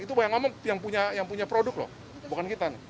itu yang ngomong yang punya produk loh bukan kita